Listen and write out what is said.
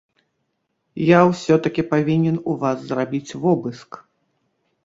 Я ўсё-такі павінен у вас зрабіць вобыск.